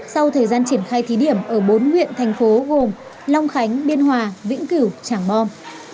sau thời gian triển khai thí điểm ở bốn huyện thành phố gồm long khánh biên hòa vĩnh cửu tràng bom